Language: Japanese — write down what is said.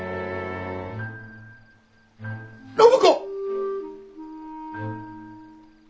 暢子！